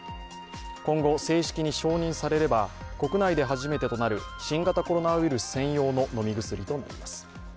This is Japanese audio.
今後、正式に承認されれば国内で初めてとなる新型コロナウイルス専用の飲み薬となります。